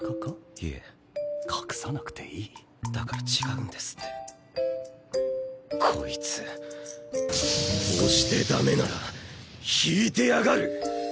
いえ隠さなくていいだから違うんですってこいつ押してダメなら引いてやがる！